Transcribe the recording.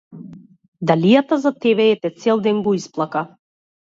Далијата за тебе, ете, цел ден го исплака.